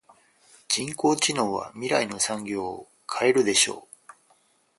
人工知能は未来の産業を変えるでしょう。